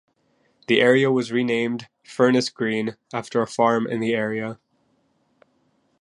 The area was renamed "Furnace Green" after a farm in the area.